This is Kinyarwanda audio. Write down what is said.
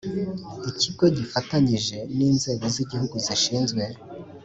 Ikigo gifatanyije n inzego z igihugu zishinzwe